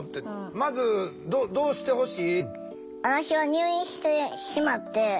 まずどうしてほしい？